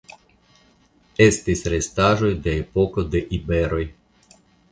Estis restaĵoj de epoko de iberoj.